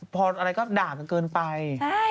พออะไรก็ด่ามันเกินไป